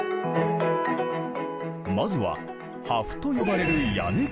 まずは破風と呼ばれる屋根飾り。